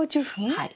はい。